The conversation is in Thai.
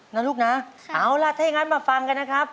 นะลูกนะเอาล่ะถ้าอย่างนั้นมาฟังกันนะครับ